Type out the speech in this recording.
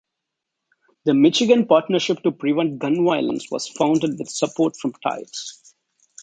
The Michigan Partnership to Prevent Gun Violence was founded with support from Tides.